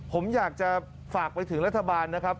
ผมอยากจะฝากไปถึงรัฐบาลนะครับ